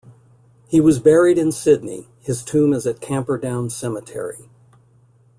He was buried in Sydney; his tomb is at Camperdown Cemetery.